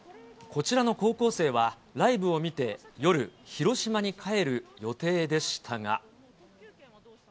こちらの高校生はライブを見て、夜、広島に帰る予定でしたが。